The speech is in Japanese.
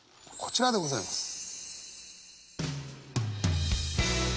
こちらでございます。